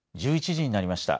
１１時になりました。